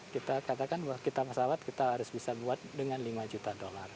kita katakan bahwa kita pesawat kita harus bisa buat dengan lima juta dolar